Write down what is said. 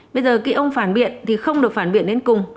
bây giờ khi ông phản biện thì không được phản biện đến cùng